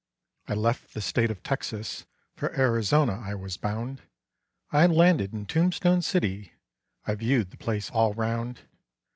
I left the State of Texas, for Arizona I was bound; I landed in Tombstone City, I viewed the place all round.